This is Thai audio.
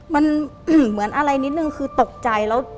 มันเหมือนอะไรนิดนึงคือตกใจแล้ว